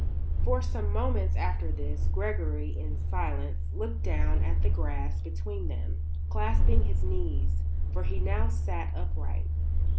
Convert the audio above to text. For some moments after this Gregory, in silence, looked down at the grass between them, clasping his knees; for he now sat upright.